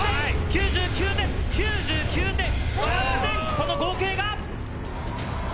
その合計が。